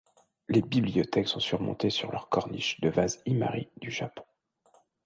Les bibliothèques sont surmontés sur leurs corniches de vases Imari du Japon.